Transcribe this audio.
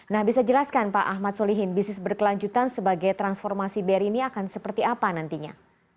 nah bisa jelaskan pak ahmad solihin bisnis berkelanjutan sebagai transformasi bri ini akan seperti apa nantinya